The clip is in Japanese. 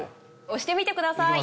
押してみてください。